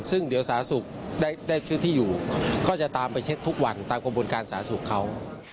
ซึ่งเดี๋ยวสาธารณสุขได้ชื่อที่อยู่ก็จะตามไปเช็คทุกวันตามกระบวนการสาธารณสุขเขา